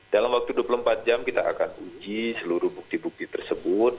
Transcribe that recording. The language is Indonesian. dalam waktu dua puluh empat jam kita akan uji seluruh bukti bukti tersebut